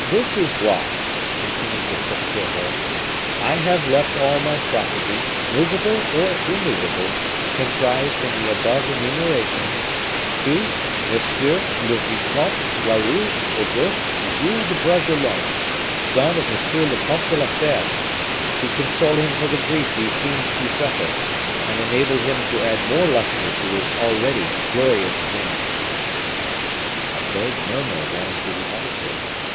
"This is why," continued the procureur, "I have left all my property, movable, or immovable, comprised in the above enumerations, to M. le Vicomte Raoul Auguste Jules de Bragelonne, son of M. le Comte de la Fere, to console him for the grief he seems to suffer, and enable him to add more luster to his already glorious name." A vague murmur ran through the auditory.